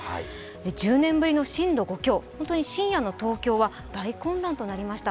１０年ぶりの震度５強、深夜の東京は大混乱となりました。